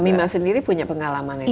mima sendiri punya pengalaman itu